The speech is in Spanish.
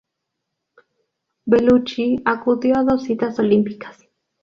Bellucci acudió a dos citas olímpicas.